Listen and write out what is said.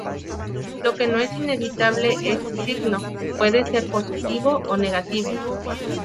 Lo que no es inevitable es su signo: puede ser positivo o negativo.